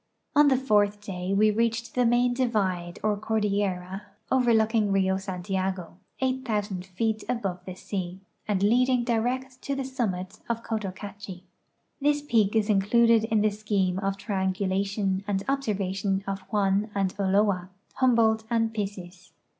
On the fourth day we reached the main divide or cordillera overlooking Rio Santiago, 8,000 feet above the sea, and leading direct to the summit of Cotocachi. This peak is included in the scheme of triangulation and observation of Juan and Ulloa, Humboldt and Pissis.